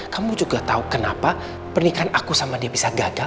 kamu juga tahu kenapa pernikahan aku sama dia bisa gagal